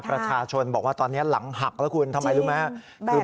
ประชาชนบอกว่าตอนนี้หลังหักแล้วคุณทำไมรู้ไหมครับ